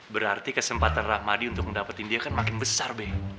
berarti kesempatan rahmadi untuk mendapatkan dia kan makin besar deh